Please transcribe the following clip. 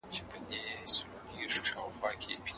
بزګر په خپل لاس د خپل آس تندی له ګرد او غبار پاک کړ.